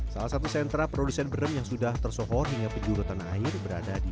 salah satu sentra produsen brem yang sudah tersohor hingga penjuru tanah air berada di